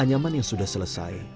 anjaman yang sudah selesai